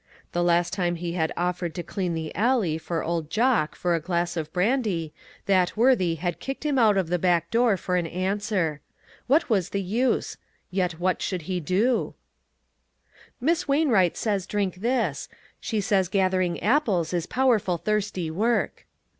The last time he had offered to clean the alley for old Jock for a glass of brandy, that worthy had kicked him out of the back door for an answer. What was the use? Yet what should he do? 22O ONE COMMONPLACE DAY. "Miss Wainwright says drink this; she says gathering apples is powerful thirsty work."